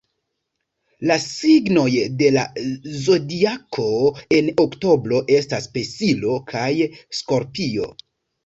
La signoj de la Zodiako en oktobro estas Pesilo kaj Skorpio.